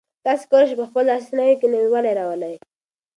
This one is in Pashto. تاسي کولای شئ په خپلو لاسي صنایعو کې نوي والی راولئ.